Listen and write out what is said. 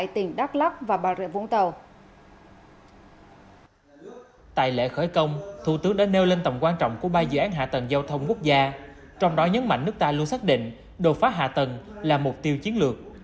trong đó nhấn mạnh nước ta luôn xác định đột phá hạ tầng là mục tiêu chiến lược